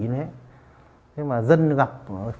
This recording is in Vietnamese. nhưng mà dân gặp